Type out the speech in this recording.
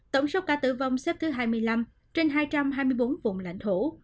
tổng số ca tử vong xếp thứ hai mươi năm trên hai trăm hai mươi bốn vùng lãnh thổ